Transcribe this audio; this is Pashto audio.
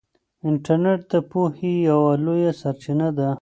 انټرنیټ د پوهې یوه لویه سرچینه ده.